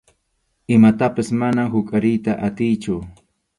Imatapas manam huqariyta atiychu.